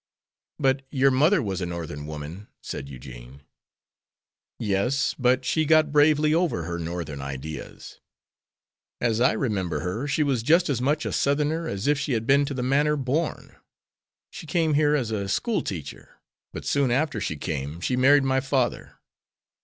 "But your mother was a Northern woman," said Eugene. "Yes; but she got bravely over her Northern ideas. As I remember her, she was just as much a Southerner as if she had been to the manor born. She came here as a school teacher, but soon after she came she married my father.